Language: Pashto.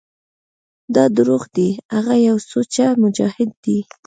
دا دروغ دي هغه يو سوچه مجاهد دى.